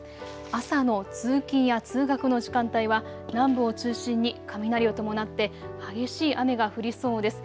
朝の通勤や通学の時間帯は南部を中心に雷を伴って激しい雨が降りそうです。